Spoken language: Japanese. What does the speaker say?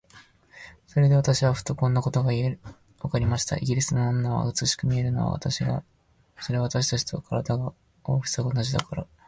それで私はふと、こんなことがわかりました。イギリスの女が美しく見えるのは、それは私たちと身体の大きさが同じだからなのでしょう。